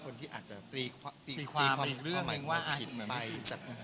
คนที่อาจจะตีความอีกเรื่องหมายความผิดไป